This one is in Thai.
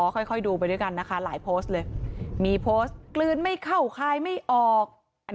ค่อยดูไปด้วยกันนะคะหลายโพสต์เลยมีโพสต์กลืนไม่เข้าคายไม่ออก